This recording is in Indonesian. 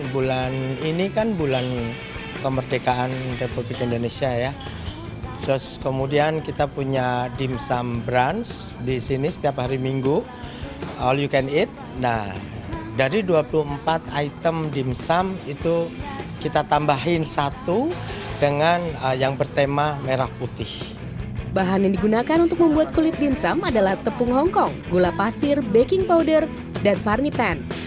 bahan yang digunakan untuk membuat kulit dimsum adalah tepung hongkong gula pasir baking powder dan farnitan